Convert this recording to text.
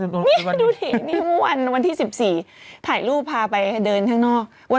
นี่ดูสิวันที่๑๔ถ่ายรูปพาไปเดินข้างนอก